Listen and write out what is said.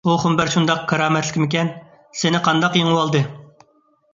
ئۇ خۇمپەر شۇنداق كارامەتلىكمىكەن؟ سېنى قانداق يېڭىۋالدى؟